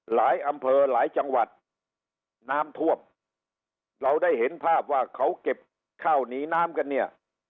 อำเภอหลายจังหวัดน้ำท่วมเราได้เห็นภาพว่าเขาเก็บข้าวหนีน้ำกันเนี่ย